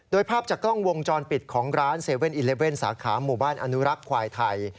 โดยภาพจากกล้องวงจรปิดของร้าน๗๑๑สาขาหมู่บ้านอนุรักษ์ควายไทย